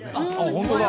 本当だ。